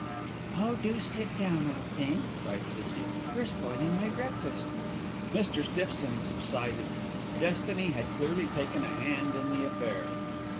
"Oh! do sit down, old thing!" cried Cissie; "you're spoiling my breakfast." Mr. Stiffson subsided. Destiny had clearly taken a hand in the affair.